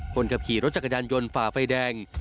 คนขับขี่รถจักรยานยนต์ฝ่าไฟแดง